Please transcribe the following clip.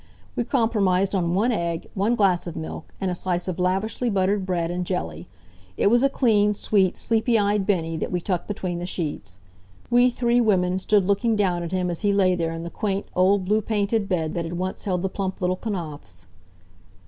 We compromised on one egg, one glass of milk, and a slice of lavishly buttered bread, and jelly. It was a clean, sweet, sleepy eyed Bennie that we tucked between the sheets. We three women stood looking down at him as he lay there in the quaint old blue painted bed that had once held the plump little Knapfs.